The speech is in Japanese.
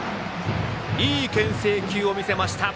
いいけん制球を見せました。